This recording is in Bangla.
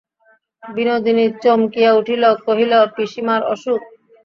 বিনোদিনী চমকিয়া উঠিল, কহিল, পিসিমার অসুখ?